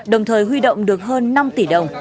đồng thời huy động được hơn năm tỷ đồng